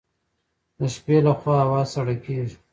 د شپې لخوا هوا سړه کیږي.